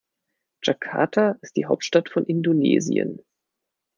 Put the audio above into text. Jakarta ist die Hauptstadt von Indonesien.